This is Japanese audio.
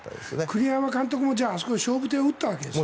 栗山監督もあそこで勝負手を打ったわけですね。